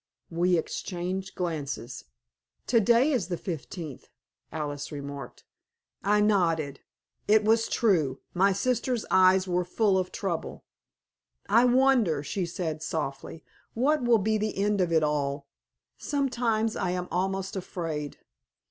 We exchanged glances. "To day is the fifteenth," Alice remarked. I nodded. It was true. My sister's eyes were full of trouble. "I wonder," she said, softly, "what will be the end of it all? Sometimes I am almost afraid."